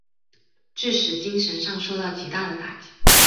致使精神上受到极大的打击。